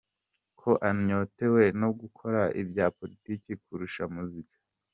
ko anyotewe no gukora ibya politiki kurusha muzika.